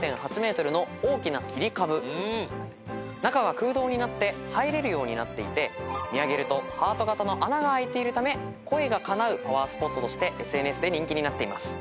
中が空洞になって入れるようになっていて見上げるとハート形の穴があいているため恋がかなうパワースポットとしてＳＮＳで人気になっています。